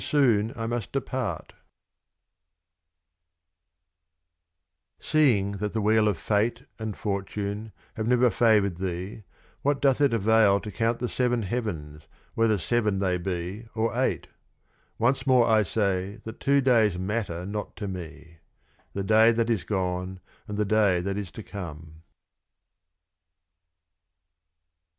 11 ) THh RUBAIYAT OF KHAIYAM Seeing that the Wheel of Fate, and For tune, never have favoured thee, what doth it avail to count the seven Heavens, whether seven they be, or eight ? Once more I say that two Days matter not to me — the Day that is gone, and the Day that is to come.